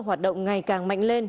hoạt động ngày càng mạnh lên